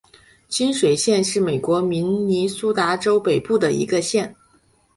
清水县是美国明尼苏达州北部的一个县。